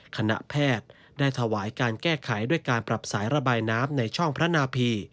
คณะแพทย์ได้ถวายการแก้ไขด้วยการปรับสายระบายน้ำในช่องพระนาพี